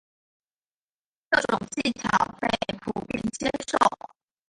这种技巧被普遍接受。